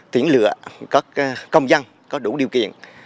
tuyển lựa các công dân có đủ điều kiện